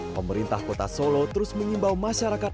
pemerintah kota solo terus mengimbau masyarakat